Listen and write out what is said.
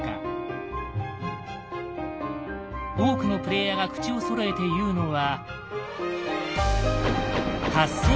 多くのプレイヤーが口をそろえて言うのは。